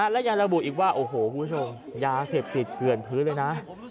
และยังระบุอีกว่าโอ้โหคุณผู้ชมยาเสพติดเกลื่อนพื้นเลยนะ